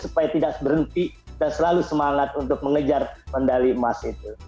supaya tidak berhenti dan selalu semangat untuk mengejar medali emas itu